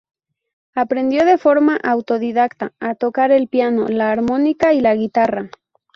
Aprendió de forma autodidacta a tocar el piano, la armónica y la guitarra.